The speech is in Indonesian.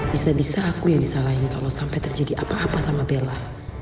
bisa bisa aku yang disalahin kalau sampai terjadi apa apa sama bella